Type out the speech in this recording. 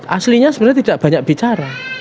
aslinya sebenarnya tidak banyak bicara